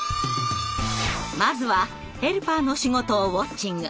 まずはヘルパーの仕事をウォッチング。